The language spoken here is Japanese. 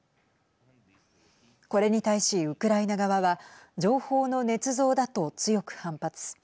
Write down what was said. これに対しウクライナ側は情報のねつ造だと強く反発。